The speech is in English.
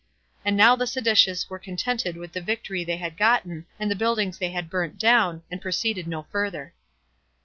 And now the seditious were contented with the victory they had gotten, and the buildings they had burnt down, and proceeded no further.